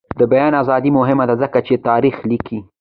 د بیان ازادي مهمه ده ځکه چې تاریخ لیکي.